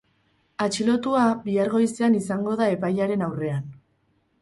Atxilotua, bihar goizean izango da epailearen aurrean.